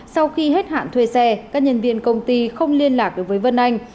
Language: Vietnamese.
sau khi hết hạn thuê xe các nhân viên công ty không liên lạc được với vân anh